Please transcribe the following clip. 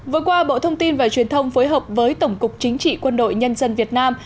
vừa qua bộ thông tin và truyền thông phối hợp với tổng cục chính trị quân đội nhân dân việt nam